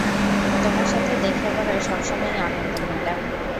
তোমার সাথে দেখা করা সবসময়ই আনন্দের, ম্যাডাম।